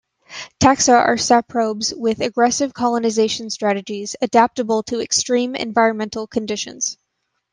Taxa are saprobes with aggressive colonization strategies, adaptable to extreme environmental conditions.